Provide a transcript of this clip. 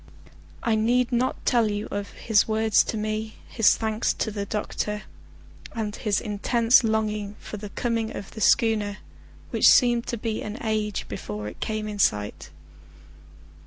I need not tell you of his words to me, his thanks to the doctor, and his intense longing for the coming of the schooner, which seemed to be an age before it came in sight.